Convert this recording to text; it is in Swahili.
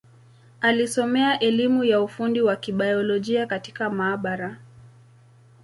Alisomea elimu ya ufundi wa Kibiolojia katika maabara.